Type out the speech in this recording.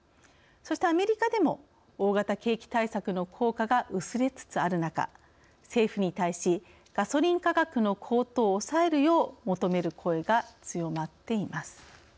そしてアメリカでも大型景気対策の効果が薄れつつある中政府に対しガソリン価格の高騰を抑えるよう求める声が強まっています。